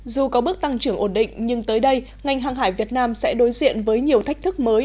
dù có bước tăng trưởng ổn định nhưng tới đây ngành hàng hải việt nam sẽ đối diện với nhiều thách thức mới